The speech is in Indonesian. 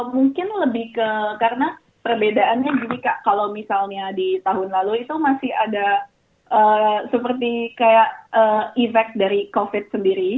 mungkin lebih ke karena perbedaannya jadi kalau misalnya di tahun lalu itu masih ada seperti kayak effect dari covid sendiri